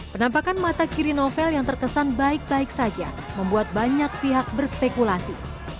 penampakan mata kiri novel yang terkesan baik baik saja membuat banyak pihak berspekulasi